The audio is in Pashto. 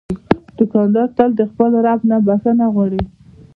دوکاندار تل د خپل رب نه بخښنه غواړي.